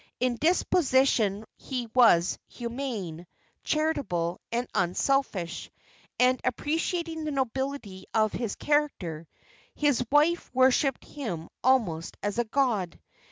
In disposition he was humane, charitable and unselfish, and, appreciating the nobility of his character, his wife worshipped him almost as a god.